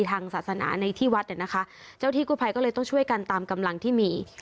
ทางศาสนาในที่วัดเนี่ยนะคะเจ้าที่กู้ภัยก็เลยต้องช่วยกันตามกำลังที่มี